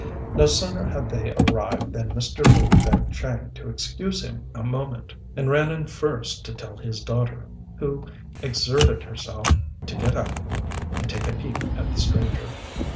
No sooner had they arrived, than Mr. Lu begged Chang to excuse him a moment, and ran in first to tell his daughter, who exerted herself to get up and take a peep at the stranger.